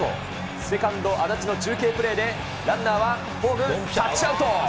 セカンド、安達の中継プレーでランナーはホーム、タッチアウト。